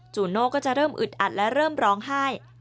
โน่ก็จะเริ่มอึดอัดและเริ่มร้องไห้